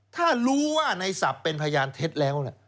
ถ้ารู้ว่าในศัพท์เป็นพยานเท็จแล้ว